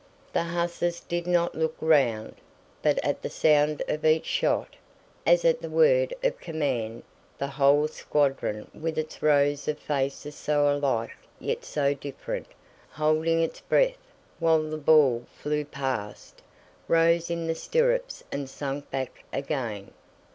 The hussars did not look round, but at the sound of each shot, as at the word of command, the whole squadron with its rows of faces so alike yet so different, holding its breath while the ball flew past, rose in the stirrups and sank back again.